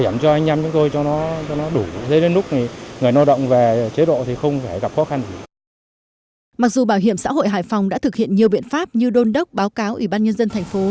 mặc dù bảo hiểm xã hội hải phòng đã thực hiện nhiều biện pháp như đôn đốc báo cáo ủy ban nhân dân thành phố